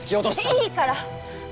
いいから！